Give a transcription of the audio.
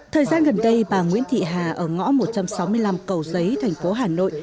thời gian gần đây bà nguyễn thị hà ở ngõ một trăm sáu mươi năm cầu giấy thành phố hà nội